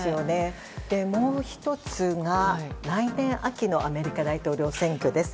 もう１つが、来年秋のアメリカ大統領選挙です。